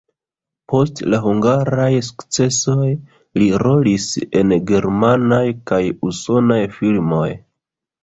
Post la hungaraj sukcesoj li rolis en germanaj kaj usonaj filmoj.